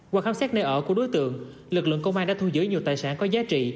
qua khám xét nơi ở của đối tượng lực lượng công an đã thu giữ nhiều tài sản có giá trị